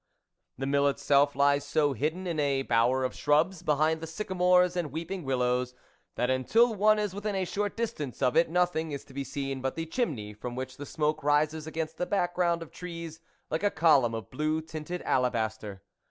The Mill itself lies so hidden in a bower of shrubs, behind the sycamores and weeping willows, that until one is within a short distance of it, nothing is to be seen but the chimney from which the smoke rises against the background of trees like a column of blue tinted alabas ter.